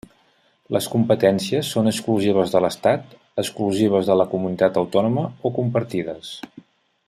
Les competències són exclusives de l'Estat, exclusives de la comunitat autònoma o compartides.